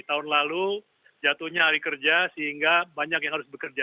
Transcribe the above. tahun lalu jatuhnya hari kerja sehingga banyak yang harus bekerja